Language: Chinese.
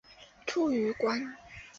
卒于官。